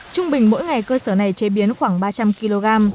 trung bình mỗi ngày cơ sở này chế biến khoảng ba trăm linh kg